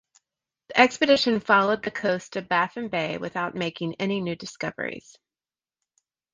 The expedition followed the coast of Baffin Bay without making any new discoveries.